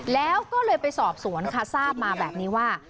แล้วก็เลยไปสอบสวนค่ะทราบมาแบบนี้ว่า